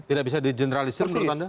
tidak bisa dijeneralisir menurut anda